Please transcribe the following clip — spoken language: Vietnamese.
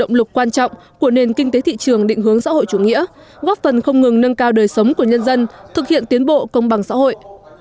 phần không ngừng nâng cao đời sống của nhân dân thực hiện tiến bộ công bằng xã hội